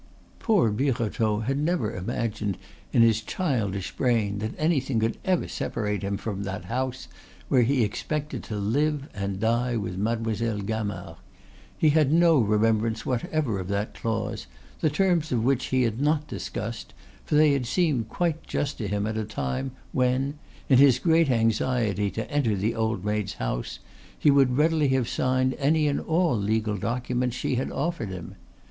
Poor Birotteau never imagined in his childish brain that anything could ever separate him from that house where he expected to live and die with Mademoiselle Gamard. He had no remembrance whatever of that clause, the terms of which he had not discussed, for they had seemed quite just to him at a time when, in his great anxiety to enter the old maid's house, he would readily have signed any and all legal documents she had offered him.